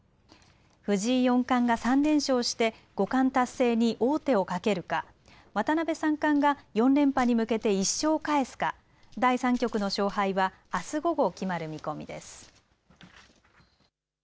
藤井四冠が３連勝して五冠達成に王手をかけるか、渡辺三冠が４連覇に向けて１勝を返すか第３局の勝敗はあす午後、決まる見込みです。